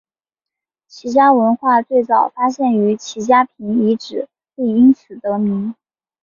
齐家文化最早发现于齐家坪遗址并因此得名。